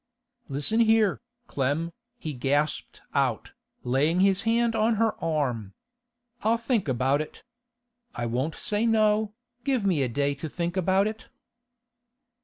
'Listen here, Clem,' he gasped out, laying his hand on her arm. 'I'll think about it. I won't say no. Give me a day to think about it.